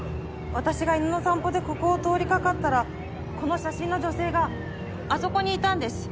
私が犬の散歩でここを通りかかったらこの写真の女性があそこにいたんです。